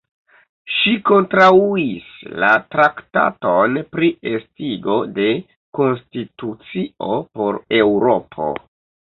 Ŝi kontraŭis la Traktaton pri Estigo de Konstitucio por Eŭropo.